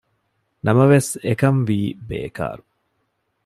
ނަމަވެސް އެކަންވީ ބޭކާރު